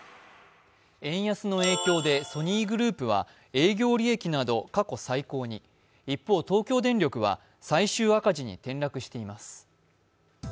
円安の影響でソニーグループは営業利益など過去最高に、一方、東京電力は最終赤字に転落しています。